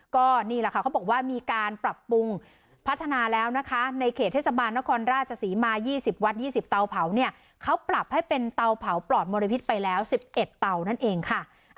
ก็นี่แหละค่ะเขาบอกว่ามีการปรับปรุงพัฒนาแล้วนะคะในเขตเทศบาลนครราชศรีมา๒๐วัด๒๐เตาเผาเนี่ยเขาปรับให้เป็นเตาเผาปลอดมลพิษไปแล้ว๑๑เตานั่นเองค่ะ